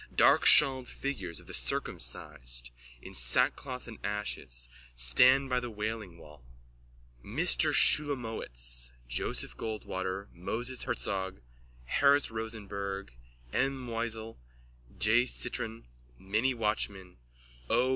Darkshawled figures of the circumcised, in sackcloth and ashes, stand by the wailing wall. M. Shulomowitz, Joseph Goldwater, Moses Herzog, Harris Rosenberg, M. Moisel, J. Citron, Minnie Watchman, P.